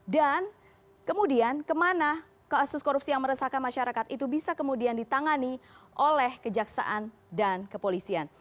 dan kemudian kemana kasus korupsi yang meresahkan masyarakat itu bisa kemudian ditangani oleh kejaksaan dan kepolisian